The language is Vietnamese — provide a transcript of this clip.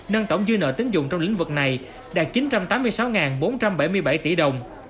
nâng tổng dư nợ tính dụng trong lĩnh vực này đạt chín trăm tám mươi sáu bốn trăm bảy mươi bảy tỷ đồng